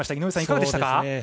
井上さん、いかがでしたか？